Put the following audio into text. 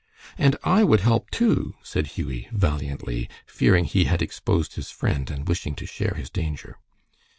"And I would help, too," said Hughie, valiantly, fearing he had exposed his friend, and wishing to share his danger.